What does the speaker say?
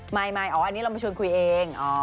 ไม่อ๋ออันนี้เรามาชวนคุยเอง